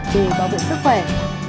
để bảo vệ sức khỏe